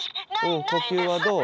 呼吸はどう？